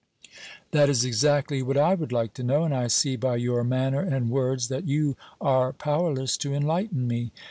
"That is exactly what I would like to know, and I see by your manner and words that you are powerless to enlighten me.